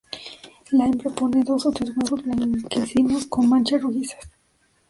La hembra pone do o tres huevos blanquecinos con manchas rojizas.